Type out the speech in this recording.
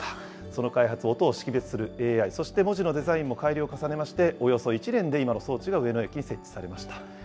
その開発、音を識別するＡＩ、そして文字のデザインも改良を重ねまして、およそ１年で今の装置が上野駅に設置されました。